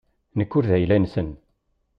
Nekk ur d ayla-nsen.